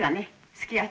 すき焼き。